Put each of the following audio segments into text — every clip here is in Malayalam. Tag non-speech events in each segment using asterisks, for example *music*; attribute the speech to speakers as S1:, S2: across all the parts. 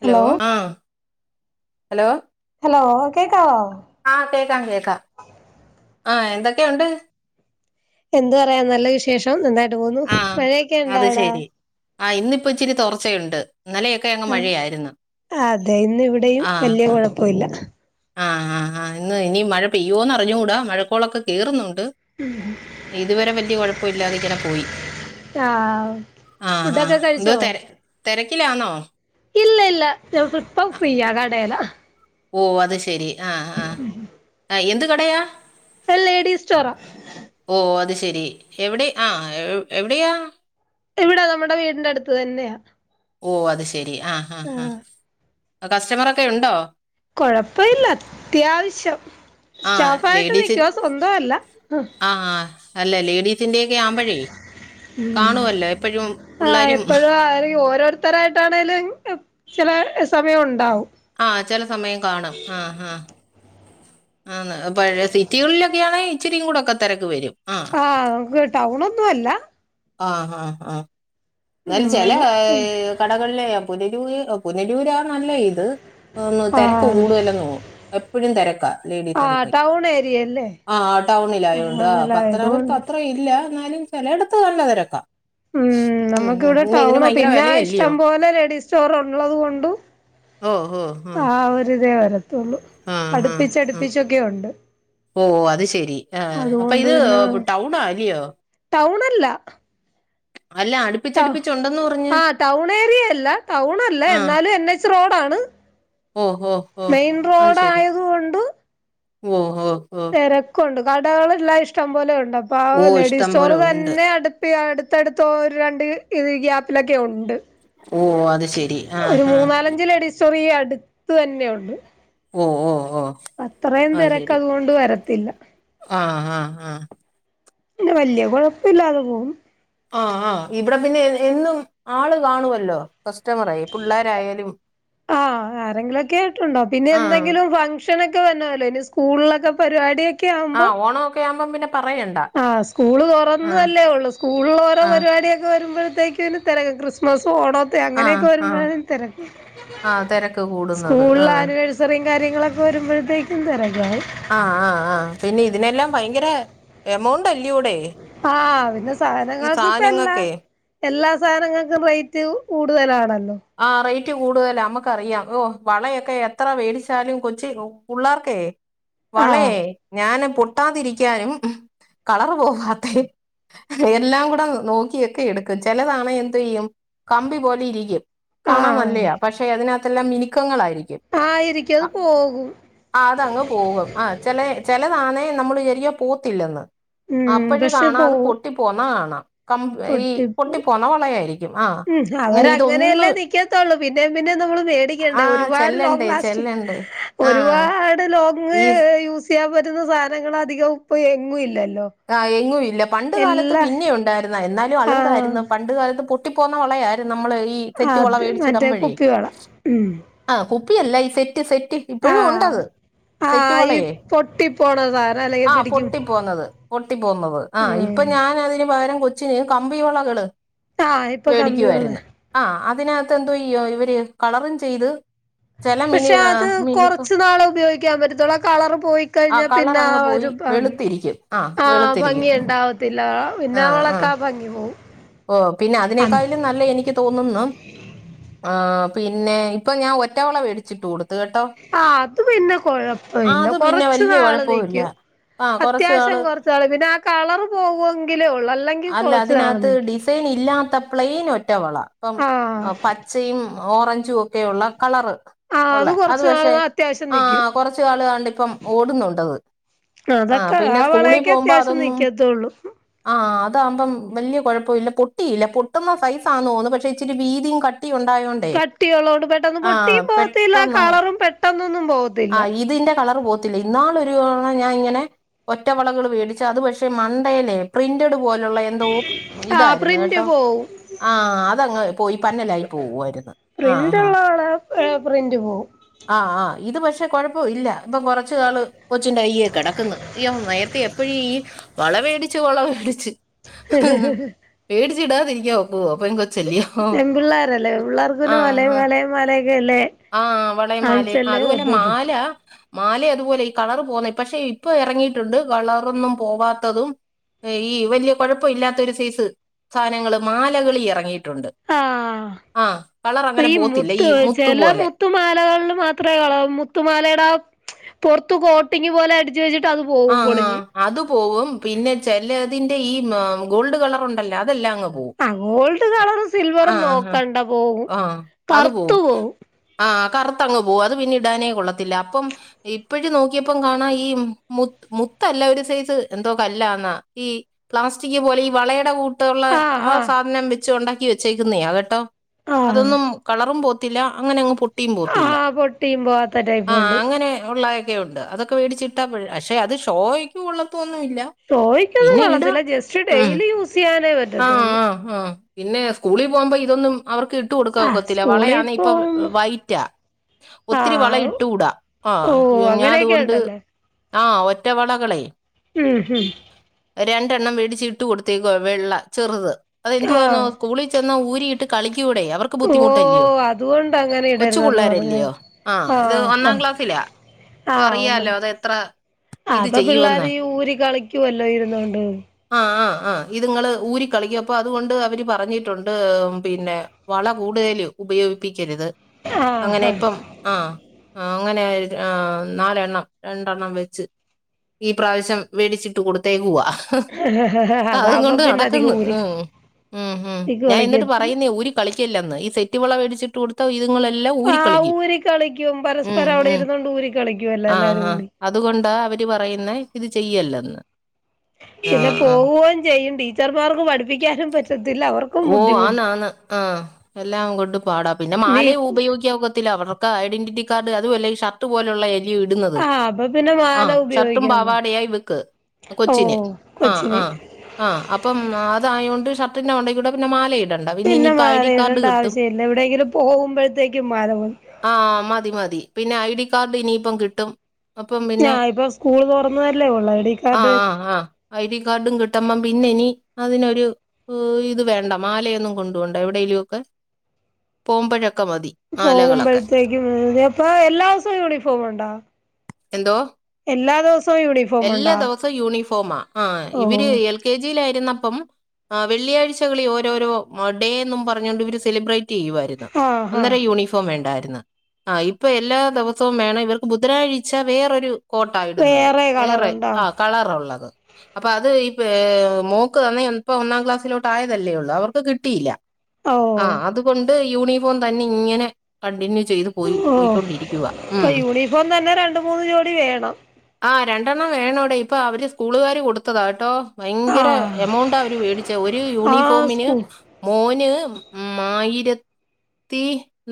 S1: ഹലോ ആഹ് ഹലോ
S2: ഹലോ കേക്കാവോ?
S1: ആഹ് കേക്കാം കേക്കാം. ആഹ് എന്തൊക്കെയുണ്ട്?
S2: എന്ത് പറയാൻ നല്ല വിശേഷം. നന്നായിട്ട് പോന്നു. മഴയൊക്കെ ഇണ്ടാ അവിടെ?
S1: ആഹ് ഇന്ന്‌ ഇപ്പോ ഇച്ചിരി തോർച്ചയുണ്ട്. ഇന്നലെ
S2: ആഹ് അതെ ഇന്ന്‌ ഇവിടെയും വല്ല്യ കൊഴപ്പൊവില്ല
S1: ആഹ് ആഹ് ആഹ് ഇന്ന് ഇനി മഴ പെയ്യോന്ന് അറിഞ്ഞുകൂടാ. മഴക്കോളൊക്കെ കേറുന്നു ണ്ട് ഇതുവരെ വല്യ കൊഴപ്പമില്ലാതെ ഇങ്ങനെ പോയി
S2: ആഹ്
S1: ആഹ് ആഹ്
S2: ഫുഡൊക്കെ
S1: എന്തോ
S2: കഴിച്ചോ
S1: തെര തെരക്കിലാണോ?
S2: ഇല്ല ഇല്ല *unintelligible* ഇപ്പം ഫ്രീയാ കടേലാ
S1: ഓഹ് അത് ശെരി. ആഹ് ആഹ് ആഹ് എന്ത് കടയാ?
S2: ഒര് ലേഡീസ്റ്റോറാ
S1: ഓഹ് അത് ശെരി എവിടെ ആഹ് ഏഹ് എവിടെയാ?
S2: ഇവിടാ നമ്മുടെ വീടിന്റെ അടുത്ത് തന്നെയാ
S1: ഓഹ് അത് ശെരി ആഹ് ആഹ് ആഹ് കസ്റ്റമറൊക്കെ ഉണ്ടോ?
S2: കൊഴപ്പവില്ല. അത്യാവശ്യം
S1: ആ
S2: സ്റ്റാഫായിട്ട്
S1: ലേഡീസ്
S2: നിക്കുവാ. സ്വന്തവല്ല
S1: ആ അല്ല ലേഡീസിൻ്റെയൊക്കെ ആമ്പഴേ കാണുമല്ലോ എപ്പോഴും പുള്ളാരും
S2: ആഹ് *unintelligible* ഓരോരുത്ത് ത്തരായിട്ടാണേലും ഉം ചില സമയം ഒണ്ടാവും
S1: ആഹ് ചെല സമയം കാണും. ആഹ് ആഹ് ആന്ന്‌. പഴ സിറ്റികളിലൊക്കെയാണെങ്കി ഇച്ചിരിയും കൂടൊക്കെ തെരക്ക് വരും ആഹ്
S2: ആഹ് നമുക്ക് ടൗണൊന്നും അല്ല
S1: ആഹ് ആഹ് ആഹ് എന്നാലും ചെല
S2: നമ്മള്
S1: ഏഹ് കട കളിലേ പുനരൂ പുനലൂരാ നല്ല ഇത് ഒന്ന് തെരക്ക്
S2: ആഹ്
S1: കൂടുതലെന്ന് തോന്നുന്നു എപ്പഴും തെരക്കാ.
S2: ആ ടൗൺ ഏരിയ അല്ലേ?
S1: ആഹ് ടൗണിലായോണ്ട്. ആഹ് പത്തനാപുരത്ത് അത്ര ഇല്ല. എന്നാലും ചെലയിടത്ത് നല്ല തെരക്കാ.
S2: ഉം നമ്മക്ക് ഇവിടെ ടൗണാ.
S1: ഭയങ്കര
S2: പിന്നെ
S1: വിലയല്ലയോ
S2: ഇഷ്ടം പോലെ ലേഡീസ് സ്റ്റോർ ഉള്ളത് കൊണ്ടും
S1: ഓ ഓ
S2: ആഹ് ഒരിതേ വരത്തുള്ളു.
S1: ആ
S2: അടുപ്പിച്ചടുപ്പിച്ചൊക്കെ ഒണ്ട്.
S1: ഓഹ് അത് ശരി. ആഹ് അപ്പ ഇത്
S2: പിന്നെ
S1: ടൗണാ അല്ലിയോ?
S2: ടൗണല്ല.
S1: അല്ല
S2: ടൗ
S1: അടുപ്പിച്ചടിപ്പിച്ചുണ്ടന്നും
S2: ആഹ് ടൗൺ ഏരിയയല്ല. ടൗൺ അല്ല.
S1: ആ.
S2: എന്നാലും എൻ എച്ച് റോഡാണ്.
S1: ഓ, ഓ, ഓ.
S2: മെയിൻ റോഡായത് കൊണ്ട്
S1: ഓഹ് ഓഹ് ഓഹ്
S2: തെരക്കൊണ്ട്. കടകള് എല്ലാം ഇഷ്ടം പോലെ ഉണ്ട്. അപ്പ ആ
S1: ഓ
S2: ലേഡീസ്
S1: ഇഷ്ടം പോലെ
S2: സ്റ്റോറ്
S1: ഉണ്ട്.
S2: തന്നെ അടു പ്പേ അടുത്തടുത്ത് ഒരു രണ്ട് ഇത് ഗ്യാപ്പിലൊക്കെ ഒണ്ട്.
S1: ഓഹ് അത് ശെരി. ആഹ് ആഹ്
S2: നാലഞ്ച്ലേഡിസ് സ്റ്റോറ് ഈ അടുത്ത് തന്നെ ഉണ്ട്.
S1: ഓഹ് ഓഹ് ഓഹ്
S2: അത്രയും തെരക്ക് അതുകൊണ്ട് വരത്തില്ല.
S1: ആ, ആ, ആ.
S2: വല്യ കൊഴപ്പ ഇല്ലാതെ പോകും.
S1: ആഹ് ആഹ് ഇവടെ പിന്നെ എന്നും ആള് കാണുവല്ലോ കസ്റ്റമറായി പുള്ളാരായാലും
S2: ആഹ് ആരെങ്കിലും ഒക്കെ ആയിട്ടുണ്ടാവും. പിന്നെ
S1: ആ.
S2: എന്തെങ്കിലും ഫങ്ങ്ഷ ഷനോക്കെ വരണമല്ലോ. ഇനി സ്കൂളിലൊക്കെ പരുവാടി
S1: ആഹ് ഓണം ഒക്കെ ആവുമ്പം പിന്നെ പറയണ്ട.
S2: ആഹ്. സ്കൂള്
S1: ആ,
S2: തൊറന്നതല്ലേ ഉള്ളൂ. സ്കൂളില് ഓരോ
S1: ആ,
S2: പരിപാടിയൊക്കെ വരുമ്പോഴത്തേക്ക് ത്തേന് തെരക്ക് ക്രിസ്മസ് ഓണം ത്തെ
S1: ആ,
S2: അങ്ങനെയൊക്കെ
S1: ആ.
S2: വരുമ്പഴാണ് തെരക്ക്.
S1: ആ തിരക്ക് കൂടുന്നത്. ആ.
S2: സ്കൂൾലാനുവേഴ് സറി യും കാര്യങ്ങളൊക്കെ വരുമ്പോഴത്തേക്കും തെരക്കാവും.
S1: ആഹ് ആഹ് ആഹ് പിന്നെ ഇതിനെല്ലാം ഭയങ്കര എമൗണ്ട് അല്ലൂടേ?
S2: ആഹ് പിന്നെ സാധനങ്ങൾക്ക് ഇപ്പം എല്ലാം എല്ലാ സാധനങ്ങൾക്കും റേറ്റ് കൂടുതലാണല്ലോ.
S1: ആ റേറ്റ് കൂടുതലാ നമ്മുക്കറിയാം ഓ വളയൊക്കെ എത്ര വേടിച്ചാലും കൊച്ച്പുള്ളേർക്കേ വളേ
S2: ആഹ്
S1: ഞാന് പൊട്ടാതിരിക്കാനും കളറുപോവാത്തെ എല്ലാം കൂടെ നോക്കിയൊക്കെ എടുക്കും. ചിലതാണ് എന്ത് ചെയ്യും കമ്പി പോലെ ഇരിക്കും. കാണാൻ
S2: ആഹ്
S1: നല്ലയാ പക്ഷെ അതിനകത്ത് എല്ലാം മിനുക്കങ്ങളായിരിക്കും.
S2: ആയിരിക്കും അത് പോകും.
S1: ആഹ് അതങ്ങ് പോകും ആ ചില ചിലതാണേ നമ്മൾ വിചാരിക്കും പോകത്തില്ലെന്ന്.
S2: ഉം
S1: അപ്പഴും
S2: പക്ഷെ
S1: കാണാം അത്
S2: പോവും
S1: പൊട്ടി പോന്നാ കാണാം കം ഈ പൊട്ടി
S2: പൊട്ടിപ്പോവും
S1: പോന്ന വളയായിരിക്കും. ആഹ്
S2: ഉം അവരങ്ങനെയല്ലേ നിൽക്കത്തുള്ളൂ പിന്നേ പിന്നേ നമ്മള് മേടിക്കേണ്ടേ
S1: ആ
S2: ഒരുപാട് ലോങ്
S1: ചെല്ലണ്ടേ
S2: ലാസ്റ്റി
S1: ചെല്ലണ്ടേ ആ
S2: ഒരുപാട് ലോങ്
S1: ഈ
S2: യൂ ചെയ്യാൻ പറ്റുന്ന സാധനങ്ങൾ അധികം ഇപ്പംഎങ്ങൂ ഇല്ലല്ലോ?
S1: ആഹ് എങ്ങും ഇല്ല പണ്ട് കാലത്ത്
S2: എല്ലാ
S1: പിന്നെ ഉണ്ടായിരുന്നു എന്നാലും
S2: ആഹ്
S1: അളുങ്കായിരുന്നു പണ്ട് കാലത്ത് പൊട്ടി പോന്ന വളയാരുന്നു നമ്മള് ഈ സെറ്റ് വള
S2: അത്
S1: മേടിച്ചു
S2: മറ്റേ
S1: ഇടുമ്പോഴേ
S2: കുപ്പിവള ഉം
S1: ആഹ് കുപ്പി അല്ല ഈ സെറ്റ് സെറ്റ് ഇപ്പോഴും
S2: ആഹ്
S1: ഉണ്ടത് സെറ്റ്
S2: ആഹ് ഈ
S1: വളയേ
S2: പൊട്ടിപ്പോണ സാധനം അല്ലെങ്കിൽ
S1: ആ
S2: പിടിക്കും
S1: പൊട്ടിപ്പോന്നത്. പൊട്ടി പോകുന്നത് ആഹ്
S2: ഉം
S1: ഇപ്പൊ ഞാൻ അതിന് പകരം കൊച്ചിന് കമ്പി വളകള്
S2: ആഹ് ഇപ്പൊ കമ്പികള്
S1: മേടിക്കുയായിരുന്നു. ആഹ് അതിനകത്ത് എന്തോ ചെയ്യു ഇവര് കളറും ചെയ്ത് ചില മിനി
S2: പക്ഷെ അത്
S1: മിനി
S2: കൊറച്ചു നാള് ഉപയോഗിക്കാൻ പറ്റത്തൊള്ളു കളർ പോയി കഴിഞ്ഞാ പിന്നെ ആ ഒരു ഭാഗം
S1: രിക്കും ആഹ്
S2: ആഹ് ഭംഗിയുണ്ടാവത്തില്ല പിന്നെ ആഹ് വളൊക്കെ ആ ഭംഗി പോവും.
S1: ഓഹ് പിന്നെ
S2: ആഹ്
S1: അതിനേക്കാളും ലെ എനിക്ക് തോന്നുന്നു ആഹ് പിന്നെ ഇപ്പ ഞാൻ ഒറ്റവള മേടിച്ചിട്ടുകൊട്ത്
S2: ആഹ് അത് പിന്നെ
S1: ആ
S2: കൊഴപ്പവില്ല
S1: അത് പിന്നെ
S2: കൊറച്ച്
S1: വലിയ
S2: നാള്
S1: കുഴപ്പമില്ല
S2: നിയ്ക്കും
S1: ആ കുറച്ച്
S2: അത്യാവശ്യം
S1: നാള്
S2: കൊറച്ച്നാള് പിന്നെ ആഹ് കളറ് പോകുവെങ്കിലേ ഉള്ളൂ അല്ലെങ്കി
S1: അല്ല
S2: കൊറച്ച്നാള്
S1: അതിനകത്ത്
S2: നിയ്ക്കും
S1: ഡിസൈൻ ഇല്ലാത്ത പ്ലെയിൻ ഒറ്റ വള ഇപ്പം
S2: ആഹ്
S1: പച്ചയും ഓറഞ്ചും ഒക് റ്റെ യുള്ള കളറ്
S2: ആഹ്
S1: ഒള്ളേ അത്
S2: കൊറച്ചു
S1: പക്ഷേ
S2: നാള് അത്യാവശ്യം നിക്കും
S1: ആഹ് കൊറച്ചുകാള് ദാണ്ടിപ്പം ഓടുന്നുണ്ടത് ആഹ്
S2: അതൊക്കെ
S1: പിന്നെ
S2: ആ
S1: സ്കൂളിൽ
S2: വളയെക്കെ
S1: പോകുമ്പോ
S2: അത്യാവശ്യം
S1: അതൊന്നും
S2: നിയ്ക്കത്തൊള്ളൂ
S1: ആഹ് അതാകുമ്പം വല്യ കൊഴപ്പവില്ല പൊട്ടിയില്ല പൊട്ടുന്ന സൈസാന്ന് തോന്നുന്നു പക്ഷെ ഇച്ചിരി വീതിം കട്ടിയൊണ്ടായകൊണ് ണ്ടെ
S2: കട്ടിയുള്ളോണ്ട് പെട്ടെന്ന്
S1: ആഹ്
S2: പൊട്ടിയും പോവത്തില്ല
S1: പെട്ടന്ന് അങ്ങ്
S2: കളറും പെട്ടെന്നൊന്നും പോവത്തില്ല
S1: ആഹ് ഇതിന്റെ കളറ് പോത് ത്തില്ല ഇന്നാളൊരു തവണ ഞാൻ ഇങ്ങനെ ഒറ്റവളകള് മേടിച്ച് അതുപക്ഷേ മണ്ടെലെ പ്രിന്റഡ് പോലുള്ള എന്തോ
S2: ആ
S1: ഇതാരുന്നു
S2: പ്രിന്റ്
S1: കേട്ടോ
S2: പോവും
S1: ആഹ് അതങ്ങ് പോയി പന്നലായി പോകുവാരുന്നു ആഹ് ആഹ്
S2: പ്രിന്റുള്ള വള പ്രിന്റ് പോവും
S1: ആഹ് ആഹ് ഇത് പക്ഷെ കൊഴപ്പവില്ല ഇപ്പൊ കൊറച്ചുനാള് കൊച്ചിന്റെ കയ്യെ കെടക്ക്‌ന്ന് അയ്യോ നേരത്തെ എപ്പഴും ഈ വള മേടിച്ചു വള മേടിച്ച് മേടിച്ചിട്കാ തിരിയ്ക്കാ പൊക്കൂവ പെങ്കൊച്
S2: പെമ്പിള്ളാരല്ലേ പിള്ളാർക്ക്‌ പിന്നെ വളെ
S1: ആഹ്
S2: മലേ മലെക്കെ അല്ലേ
S1: ആഹ് വളേം മാലേം അതുപോലെ മാല മാലേം അതുപോലെ ഈ കളറ് പോന്നേ പക്ഷെ ഇപ്പൊ ഇറങ്ങിട്ടുണ്ട് കളറൊന്നും പോവാത്തതും ഈ വലിയ കൊഴപ്പവില്ലാത്തൊരു സൈസ് സാധനങ്ങള് മാലകള് എറങ്ങിയിട്ടുണ്ട്
S2: ആഹ് അപ്പൊ ഈ
S1: പോത്തില്ല ഈ
S2: മുത്ത് ചെല
S1: പോലെ
S2: മുത് ത്തുമാലകളില് മാത്രേ കള മുത്തുമാലേട പുറത്തു കോട് ട്ടിങ്ങ് പോലെ അടിച്ച് വച്ചിട്ട് അത് പോകും
S1: ആഹ്
S2: പൊളിഞ്
S1: ആഹ് അത് പോകും പിന്നെ ചെലതിന്റെ ഈ ഏഹ് ഗോൾഡ് കളറുണ്ടല്ലോ അതെല്ലാം അങ്ങ് പോക്
S2: ആഹ് ഗോൾഡ് കളറും സിൽവറും
S1: ആഹ്
S2: നോക്കണ്ട പോകും
S1: അത് പോവും
S2: കറുത്തു പോകും
S1: ആഹ് കറുത്തങ്ങ് പോകും അത് പിന്നെ ഇടാനേ കൊള്ളത്തില്ല അപ്പം ഇപ്പഴി നോക്കിയപ്പം കാണാ ഈമ് മുത് മുത്തല്ല ഒരു സൈസ് എന്തോ കല്ലാന്നാ ഈ പ്ലാസ്റ്റിക് പോലെ ഈ വളയുടെ കൂട് ട്ടൊള്ളെ ആഹ് സാധനം വെച്ച് ഒണ്ടാക്കി വെച്ചേക്കുന്നയാ കേട്ടോ
S2: ആഹ്
S1: അതൊന്നും കളറും പോത് ത്തില്ല അങ്ങനെ അങ്ങ് പോട്ടിം പൊത്തില്ല
S2: ആഹ് പൊട്ടിയും പോവാത്ത
S1: ആഹ്
S2: ടൈപ്പുണ്ട്
S1: അങ്ങനെ ഉള്ളയക്കെ ഉണ്ട് അത് ക്കെ മേടിച്ചിട്ടാപ്പഴ് പക്ഷെ അത് ഷോയ്ക്ക് കൊള്ളത്തൊന്നുവില്ല
S2: ഷോയ്ക്കൊന്നും കൊള്ളത്തില്ല ജസ്റ്റ് ഡെയിലി യൂസ് ചെയ്യാനേ പറ്റത്തുള്ളൂ
S1: ആഹ് പിന്നെ സ്കൂളി പോകുമ്പോ ഇതൊന്നും അവർക്ക് ഇട്ട് കൊടുക്കാ
S2: ആഹ്
S1: ഒക്കത്തില്ല
S2: സ്കൂളിൽ
S1: വളയാന്നെ ഇപ്പ
S2: പോകുമ്പോ
S1: വൈറ്റാ ഒത്തിരി വള
S2: ആഹ്
S1: ഇട്ടുകൂടാ ആഹ്
S2: ഓഹ്
S1: ഞാൻ
S2: അങ്ങനെയൊക്കെ
S1: അതുകൊണ്ട്
S2: ഉണ്ടല്ലേ
S1: ആഹ് ഒറ്റ വളകളെ
S2: ഉം ഉം
S1: രണ്ടെണ്ണം മേടിച്ച് ഇട്ട് കൊടുത്തേക്കുവാ വെള്ള ചെറുത് അതെന്തുവാന്നോ
S2: ആഹ്
S1: സ്കൂളി ചെന്ന ഊരിയിട്ട് കളിക്കൂവടെ അവർ ക്കു ബുദ്ധിമുട്ടല്യോ
S2: ഓഹ് അതുകൊണ്ട് അങ്ങനെ
S1: കൊച്ചു
S2: ഇടരുതെന്ന് പറഞ്ഞോ
S1: പിള്ളോരല്യോ ആഹ് ഇത് ഒന്നാം ക്ലാസ്സിലാ പ്പ
S2: ആഹ് ഒന്ന്
S1: അറിയാല്ലോ അതെത്ര
S2: ആഹ് അപ്പ പിള്ളാര് ഊരി കളിക്കുവല്ലോ ഇരുന്നൊണ്ട്
S1: ആഹ് ആഹ് ആഹ് ഇതുങ്ങള് ഊരി കളിക്കും അപ്പൊ അതുകൊണ്ട് അവര് പറഞ്ഞിട്ടുണ്ട് ഏഹ് പിന്നെ വള കൂടുതല് ഉപയോഗിപ്പിക്കരുത്
S2: ആഹ്
S1: അങ്ങനെ ഇപ്പം ആഹ് അങ്ങനെ ഒര്ത് ആഹ് നാലെണ്ണം രണ്ടെണ്ണം വെച് ച്ച് ഈ പ്രാവശ്യം വേടിച്ചിട്ട് കൊടുത്തേക്കവാ ഹ്
S2: ആഹ്
S1: അതും
S2: അതാവുമ്പോ
S1: കൊണ്ട്
S2: പിന്നെ അധികം
S1: നടക്കുന്നു
S2: ഊരി
S1: ഉം ഉം ഉം ഞാൻ എന്നിട്ട്
S2: കളിക്കത്തില്ല
S1: പറയുന്നയ ഊരി കളിക്കല്ലെന്ന് ഈ സെറ്റ് വേടിച്ചിട്ട് കൊടു ത്തൊ ഇതുങ്ങളെല്ലാം
S2: ആഹ്
S1: ഊരിക്കളിക്കും
S2: ഊരി കളിക്കും
S1: ഉം
S2: പരസ്പരം അവിടെ
S1: ഉം
S2: ഇരുന്നോണ്ട് ഊരി കളിക്കുവല്ലോ
S1: ആഹ്
S2: എല്ലാരും
S1: ആഹ്
S2: കൂടി
S1: അതുകൊണ്ടാ അവര് പറയുന്നെ ഇത് ചെയ്യല്ലന്ന്
S2: പിന്നെ പോവുകയും ചെയ്യും. ടീച്ചർമാർക്ക് പഠിപ്പിക്കാനും പറ്റത്തില്ല. അവർക്ക്
S1: ഓ അന്നാന്ന് ആ എല്ലാം കൊണ്ട് പാടാം പിന്നെ
S2: നീ
S1: മാലയും ഉപയോഗിക്കാൻ ഒക്കത്തില്ല അവർ ഐഡന്റിറ്റി കാർഡ് അതുല്ല ഷർട്ട് പോലുള്ള എലയോ ഇടുന്നത്.
S2: ആഹ് അപ്പൊ പിന്നെ
S1: ആ
S2: മാല
S1: ഷർട്ടും
S2: ഉപയോഗിക്കാൻ പറ്റും
S1: പാവാടയാ ഇവൾക്ക്
S2: ഓ
S1: കൊച്ചിന് ആ
S2: കൊച്ചിന്
S1: ആ ആ അപ്പം അതായത് കൊണ്ട് ഷർട്ടിൻ്റെ മണ്ട പിന്നെ മാല ഇടണ്ടാ ഇനി
S2: പിന്നെ
S1: ഇനിയിപ്പ ഐ
S2: മാല
S1: ഡി കാർഡ്
S2: ഇടണ്ട
S1: കിട്ടും.
S2: ആവശ്യമില്ല എവിടെയെങ്കിലും പോകുമ്പോഴത്തേക്കും മാല മതി
S1: ആ മതി മതി പിന്നെ ഐ ഡി കാർഡ് ഇനിയിപ്പം കിട്ടും. അപ്പം
S2: ഞാ
S1: പിന്നെ
S2: ഇപ്പൊ സ്കൂൾ തുറന്നതല്ലേ ഉള്ളൂ ഐ ഡി
S1: ആ
S2: കാർഡ്
S1: ആ ആ ഐ ഡി കാർഡും കിട്ട്മ്പം പിന്നെ ഇനി അതിനൊരു ഇത് വേണ്ട മാലയൊന്നും കൊണ്ട് പോണ്ട എവിടെേലും ഒക്കെ പോവുമ്പഴൊക്കെ മതി. മാലകളൊക്കെ
S2: പോകുമ്പോഴത്തേക്കും മതി അപ്പൊ എല്ലാ ദിവസവും യൂണിഫോം ഉണ്ടോ.
S1: എന്തോ
S2: എല്ലാ ദിവസവും യൂണിഫോം
S1: എല്ലാ
S2: ഉണ്ടോ.
S1: ദിവസവും യൂണിഫോമാ ആ
S2: ഓ
S1: ഇവര് എൽ കെ ജിയിലായിരുന്നപ്പം വെള്ളിയാഴ്ച്ച ഴ്ച്ചകളിൽ ഓരോരോ ഡേ എന്നു പറഞ്ഞണ്ട് ഇവര് സെലിബ്രേറ്റ് ചെയ്യുമായിരുന്നു.
S2: ആഹ് ആഹ്
S1: അന്നേരം യൂണിഫോം വേണ്ടായിരുന്നു. ആ ഇപ്പൊ എല്ലാ ദിവസവും വേണം, ഇവർക്ക് ബുധനാഴ്ച വേറൊരു കോട്ടായിടുന്നത് വേറെ ആഹ് കളറുള്ളത് അപ്പോ അത് ഒന്നാം ക്ലാസില പ്രായതല്ലേ ഉള്ളൂ അവർക്ക് കിട്ടിയില്ല
S2: ഓ
S1: അതുകൊണ്ട് യൂണിഫോം തന്നെ ഇങ്ങനെ കണ്ടിന്യൂ ചെയ്തു.
S2: ഓ ഇപ്പൊ യൂണിഫോം തന്നെ രണ്ട് മൂന്ന് ജോടി വേണം.
S1: ആ രണ്ടെണ്ണം വേണോടെ ഇപ്പൊ അവര് സ്കൂളുകാര് കൊടുത്തതാ കെട്ടോ ഭയങ്കരം
S2: ആഹ്
S1: എമൗണ്ടാ അവര് മേടിച്ച് ഒരു
S2: ആഹ്
S1: യൂണിഫോമിന്
S2: സ്കൂ
S1: മോന് ഉം മായിരത്തി പത്തി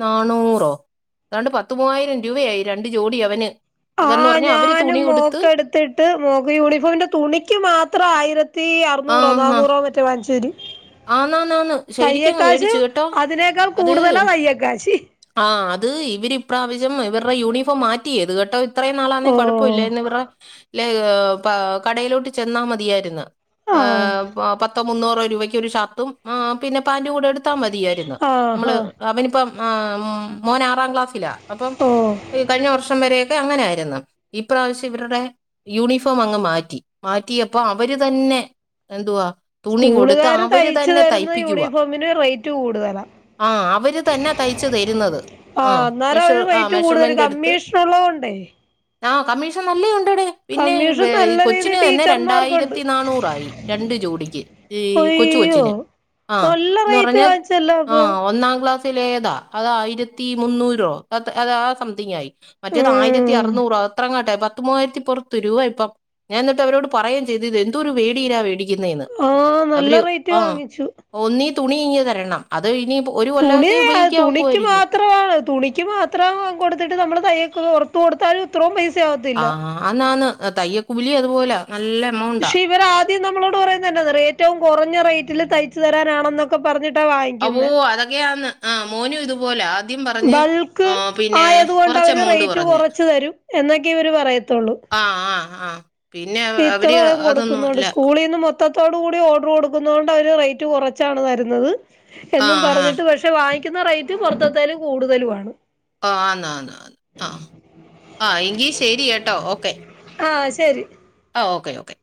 S1: നന്നൂറോ അതാണ്ട് പത്ത് മൂവായിരം രൂപയായി രണ്ട് ജോഡി അവന്
S2: ആ
S1: അതെന്ന് പറഞ്ഞാൽ അവര്
S2: ഞാനും
S1: തുണി കൊടുത്ത്
S2: മോക്ക് എടുത്തിട്ട് മോക്ക് യൂണിഫോമിന്റെ തുണിക്ക് മാത്രം ആയിരത്തി ത്തി
S1: ആ
S2: അറുന്നൂറോ
S1: ആ
S2: നന്നൂറോ മറ്റോ വാങ്ങിച്ചവര്
S1: ആന്നാന്നാന്ന് ശരിക്കങ്ങ്
S2: തയ്യൽക്കാശ്
S1: മേടിച്ചു കേട്ടോ
S2: അതിനേക്കാൾ
S1: അത്
S2: കൂടുതലാ തയ്യൽക്കാശ്
S1: ആ അത് ഇവരിപ്രാവശ്യം ഇവരുടെ യൂണിഫോം മാറ്റിയത് കേട്ടോ അത്രയും നാളാന്നേ
S2: ഓ
S1: കുഴപ്പ ഇല്ലായിരുന്നു. ഇവരുടെ ല്ല കടയിലോട്ട് ചെന്നാ മതിയായിരുന്നു. ആ
S2: ആഹ്
S1: പത്തോ മൂന്നൂറോ രൂപയ്ക്കൊരു ഷർട്ടും ആ പിന്നെ പാന്റും കൂടെ എടുത്താൽ മതിയായിരുന്നു.
S2: ആഹ്
S1: നമ്മള്
S2: ആഹ്
S1: അവനിപ്പം ആ മോൻ ആറാം ക്ലാസ്സിലാ അപ്പം
S2: ഓ
S1: കഴിഞ്ഞ വർഷം വരെയൊക്കെ അങ്ങനെയിരുന്നു. ഈപ്രാവശ്യം ഇവരുടെ യൂണിഫോം അങ്ങ് മാറ്റി. മാറ്റിയപ്പോ അവര് തന്നെ എന്തുവാ തുണി കൊടുത്ത്
S2: ക്കർ
S1: അവര്
S2: തയ്ച്ചു
S1: തന്നെ
S2: തരുന്ന
S1: തയ്പ്പിക്കുക
S2: യൂണിഫോമിന് റേറ്റ് കൂടുതലാ
S1: ആ അവര് തന്നെ തയ്ച്ച് തരുന്നത്. ആ
S2: ആഹ് അന്നേരം
S1: മെഷർ
S2: അവര്
S1: ആ
S2: റേറ്റ് കൂടുതല്
S1: മെഷർമെന്റ് എടുത്ത്
S2: കമ്മീഷൻ ഉുള്ളതുകൊണ്ട്
S1: ആ കമ്മീഷൻ നല്ല ഉണ്ട്ടെ പിന്നെ
S2: കമ്മീഷൻ നല്ല
S1: കൊച്ചിന്
S2: രീതിയിൽ
S1: തന്നെ
S2: ടീച്ചർമാർക്കുണ്ട്
S1: രണ്ടായിരത്തി നന്നൂറായി രണ്ട് ജോഡിക്ക് ഇ കൊച്ച്
S2: അയ്യോ
S1: കൊച്ചിന് ആ
S2: നല്ല
S1: ന്ന്
S2: റേറ്റ്
S1: പറഞ്ഞൽ
S2: വാങ്ങിച്ചല്ലോ
S1: ആ
S2: അപ്പൊ
S1: ഒന്നാം ക്ലാസ് ത്തിലേതാ അതായിരത്തി മുന്നൂറോ അ അതാ സംതിങ് ആയി മറ്റേത് ആയിരത്തി
S2: ഉം
S1: അർനൂറ് അത്രങ്ങട്ടെ പത്ത് മൂവായിരത്തി പറത്ത് രൂപ ഇപ്പം ഞാൻ എന്നിട്ട് അവരോട് പറയും ചെയ്തു എന്തോ ഒരു വേടിയിലാ വേടിക്കുന്നേ എന്ന്
S2: ആഹ് നല്ല
S1: അവര്
S2: റേറ്റ്
S1: ആ
S2: വാങ്ങിച്ചു
S1: ഒന്നീ തുണി ഇങ്ങ് തരണം അത് ഇനി ഒരു
S2: തുണി
S1: കൊല്ലമൊക്കെ ഉപയോഗിക്കാൻ
S2: തുണിക്ക്
S1: ഒക്കുമായിരിക്കും.
S2: മാത്രമാണ് തുണിക്ക് മാ - ഇത്ര കൊടുത്തിട്ട് നമ്മൾ തയ്യ പുറത്ത് കൊടുത്താലും ഇത്രയും പൈസയാകത്തില്ല.
S1: അന്നാണ് തയ്യൽ കൂലി അതുപോലെ നല്ല എമൗണ്ടാ
S2: പക്ഷെ ഇവർ ആദ്യം നമ്മളോട് പറയുന്നത് എന്തോന്നറിയോ ഏറ്റവും കുറഞ്ഞ റേറ്റിൽ തയ്ച്ചു തരാനാണെന്നൊക്കെ ഒക്കെ പറഞ്ഞിട്ടാ വ
S1: ഓ അതൊക്കെയാന്ന് ആ മോനു ഇതുപോലെ ആദ്യം പറഞ്ഞു
S2: ബൾക്ക് ആയതുകൊണ്ട് അവര്
S1: എമൗണ്ട്
S2: റേറ്റ്
S1: പറഞ്ഞ്
S2: കുറച്ച് തരും എന്നൊക്കെ ഇവർ പറയത്തുള്ളൂ
S1: ആഹ് ആഹ് ആഹ്
S2: ഇത്രം കൊടുക്കുന്നുണ്ട് സ്കൂളിൽ നിന്ന് മൊത്ത മൊത്തത്തോട് കൂടി ഓർഡർ കൊടുക്കുന്നണ്ട് അവര് റേറ്റ് കുറച്ചാണ് വരുന്നത്
S1: ആ
S2: എന്നും
S1: ആ
S2: പറഞ്ഞിട്ട് പക്ഷേ വാങ്ങിക്കുന്ന റേറ്റ് പുറത്തെത്തായാലും കൂടുതലു ആണ്
S1: ആ ആണ് ആണ് ആ ആ ആ എങ്കിൽ ശരി കേട്ടോ ഓക്കെ
S2: ആഹ് ശരി
S1: ആ ഓക്കെ ഓക്കെ